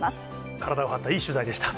体を張った、いい取材でした。